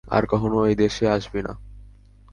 আর কখনো এই দেশে আসবি না।